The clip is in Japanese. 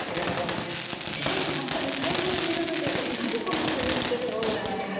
ねえやっぱり最初に聞いた時は「えっ何この人言ってるの？」ぐらいのね。